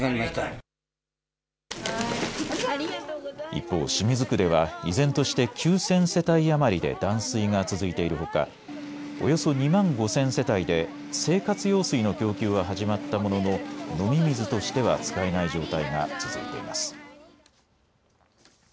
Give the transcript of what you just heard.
一方、清水区では依然として９０００世帯余りで断水が続いているほかおよそ２万５０００世帯で生活用水の供給は始まったものの飲み水としては使えない状態が続いています。